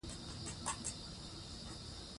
ستوني غرونه د افغانستان طبعي ثروت دی.